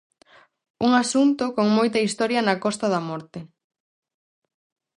Un asunto con moita historia na Costa da Morte.